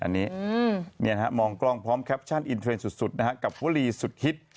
เนี่ยฮะมองกล้องพร้อมสุดสุดนะฮะกับวลีสุดฮิต